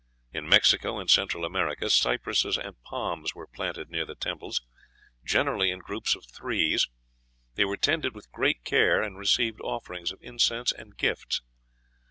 In Mexico and Central America cypresses and palms were planted near the temples, generally in groups of threes; they were tended with great care, and received offerings of incense and gifts.